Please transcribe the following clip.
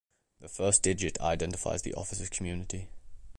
The first digit identifies the officer's community.